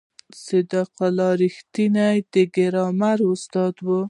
صدیق الله رښتین د ګرامر استاد و.